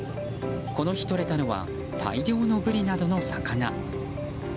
この日とれたのは大量のブリなどの魚。